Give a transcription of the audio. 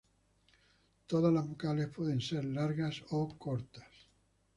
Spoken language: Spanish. Todas las vocales pueden ser largas o cortas.